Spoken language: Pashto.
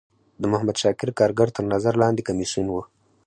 د محمد شاکر کارګر تر نظر لاندی کمیسیون و.